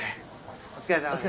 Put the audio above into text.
お疲れさまです。